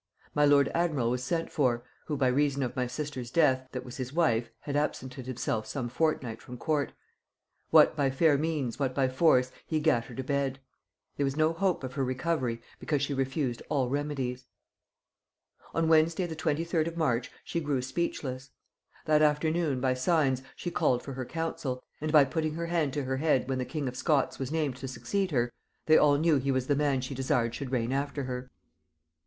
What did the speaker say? My lord admiral was sent for, (who by reason of my sister's death, that was his wife, had absented himself some fortnight from court;) what by fair means what by force, he gat her to bed. There was no hope of her recovery, because she refused all remedies. "On Wednesday the 23rd of March she grew speechless. That afternoon by signs she called for her council, and by putting her hand to her head when the king of Scots was named to succeed her, they all knew he was the man she desired should reign after her.